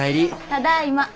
ただいま。